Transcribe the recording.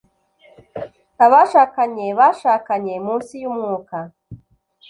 Abashakanye bashakanye munsi y'Umwuka